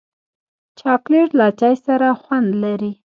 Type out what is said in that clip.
چاکلېټ له چای سره خوند لري.